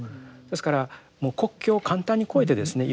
ですからもう国境を簡単に越えてですね